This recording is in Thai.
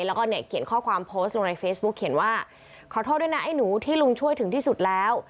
แล้วก็เนี่ยเขียนข้อความโพสต์ลงในเฟซบุ๊กเขียนว่าขอโทษด้วยนะไอ้หนูที่ลุงช่วยถึงที่สุดแล้ว